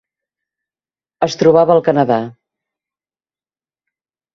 Es trobava al Canadà: